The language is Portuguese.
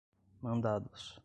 mandados